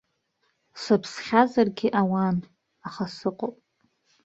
Сыԥсхьазаргьы ауан, аха сыҟоуп.